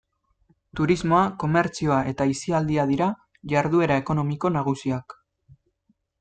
Turismoa, komertzioa eta aisialdia dira jarduera ekonomiko nagusiak